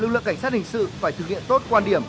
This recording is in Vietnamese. lực lượng cảnh sát hình sự phải thực hiện tốt quan điểm